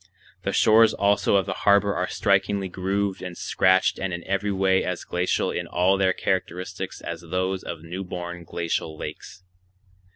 The shores also of the harbor are strikingly grooved and scratched and in every way as glacial in all their characteristics as those of new born glacial lakes.